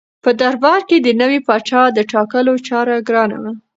په دربار کې د نوي پاچا د ټاکلو چاره ګرانه وه.